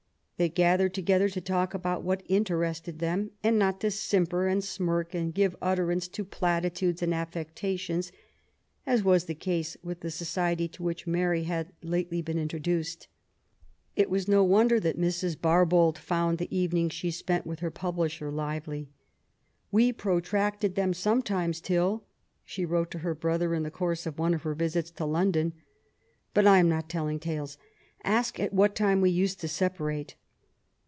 They gathered together to talk about what interested them, and not to simper and smirk, and give utterance to platitudes and i^ectations, as was the case with the society to which Mary had lately been introduced. It is no wonder that Mrs. Barbauld found the evenings she spent with her publisher lively. " We protracted them sometimes till " she wrote to her brother in the course of one of her visits to London ;^' but I am not telling tales. Ask at what time we used to separate."